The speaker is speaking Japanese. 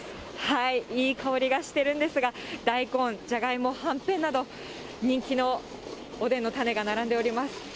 いい香りがしてるんですが、大根、じゃがいも、はんぺんなど、人気のおでんのたねが並んでおります。